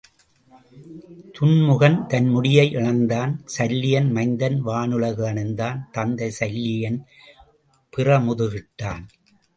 துன்முகன் தன் முடியை இழந்தான் சல்லியன் மைந்தன் வானுலகு அடைந்தான் தந்தை சல்லியன் புறமுதுகிட்டான்.